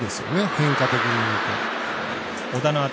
変化的に言うと。